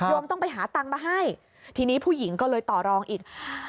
มต้องไปหาตังค์มาให้ทีนี้ผู้หญิงก็เลยต่อรองอีก